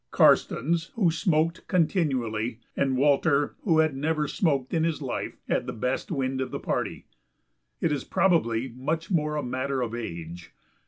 Karstens, who smoked continually, and Walter, who had never smoked in his life, had the best wind of the party. It is probably much more a matter of age.